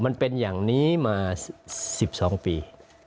มันเป็นอย่างนี้มา๑๒ปี